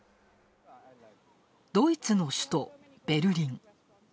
ドイツの首都ベルリン。